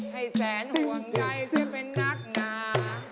ให้แสนห่วงใยเสียเป็นนักหนา